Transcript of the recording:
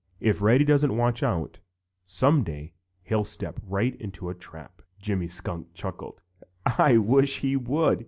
"If Reddy doesn't watch out, someday he'll step right into a trap." Jimmy Skunk chuckled. "I wish he would!"